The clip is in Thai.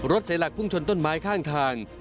เสียหลักพุ่งชนต้นไม้ข้างทาง